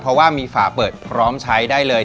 เพราะว่ามีฝาเปิดพร้อมใช้ได้เลย